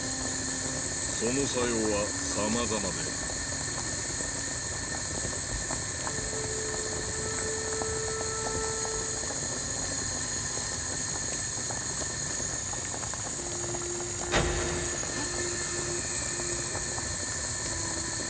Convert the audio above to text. その作用はさまざまでえっ？